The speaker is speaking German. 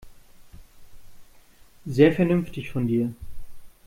Sehr vernünftig von dir.